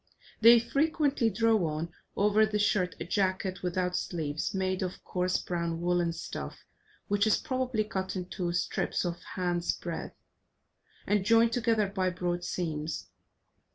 They frequently draw on, over the shirt, a jacket without sleeves, made of coarse brown woollen stuff, which is properly cut into strips of a hand's breath, and joined together by broad seams.